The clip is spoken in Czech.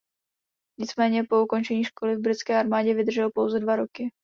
Nicméně po ukončení školy v britské armádě vydržel pouze dva roky.